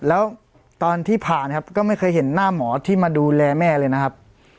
แล้วตอนที่ผ่านครับก็ไม่เคยเห็นหน้าหมอที่มาดูแลแม่เลยนะครับ